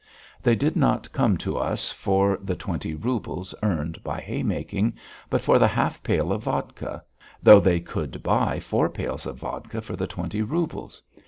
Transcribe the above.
They did not come to us for the twenty roubles earned by haymaking, but for the half pail of vodka, though they could buy four pails of vodka for the twenty roubles.